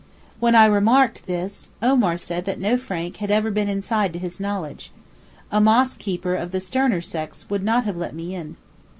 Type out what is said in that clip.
When I remarked this, Omar said that no Frank had ever been inside to his knowledge. A mosque keeper of the sterner sex would not have let me in.